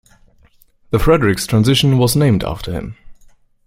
The Frederiks transition was named after him.